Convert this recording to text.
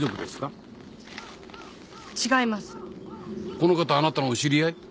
この方あなたのお知り合い？